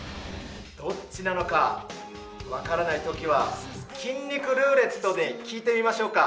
どっちなのか、分からないときは、筋肉ルーレットで聞いてみましょうか。